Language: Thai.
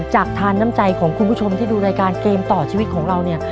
จากทานน้ำใจของคุณผู้ชมที่ดูรายการเกมต่อชีวิตของเราเนี่ย